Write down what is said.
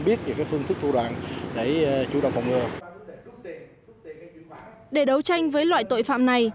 biết về phương thức thủ đoạn để chủ động phòng ngừa để đấu tranh với loại tội phạm này